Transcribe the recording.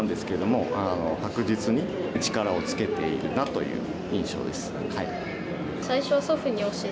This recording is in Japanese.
という印象です。